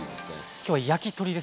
今日は焼き鳥ですもんね。